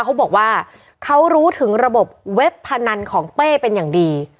เขาบอกว่าเขารู้ถึงระบบเว็บพนันของเป้เป็นอย่างดี